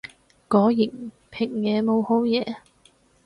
果然平嘢冇好嘢